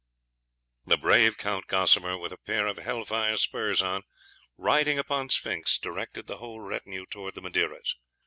_ The brave Count Gosamer, with a pair of hell fire spurs on, riding upon Sphinx, directed the whole retinue towards the Madeiras.